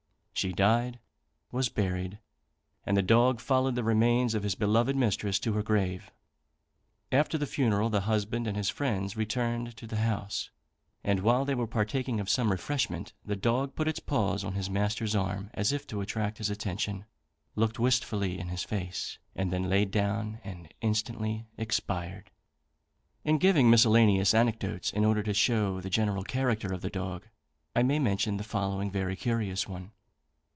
She died, was buried, and the dog followed the remains of his beloved mistress to her grave. After the funeral the husband and his friends returned to the house, and while they were partaking of some refreshment the dog put its paws on his master's arm, as if to attract his attention, looked wistfully in his face, and then laid down and instantly expired. In giving miscellaneous anecdotes in order to show the general character of the dog, I may mention the following very curious one.